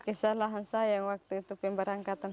kesalahan saya waktu itu pemberangkatan